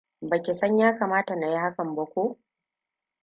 Ba ki san ya kamata na yi hakan ba ko?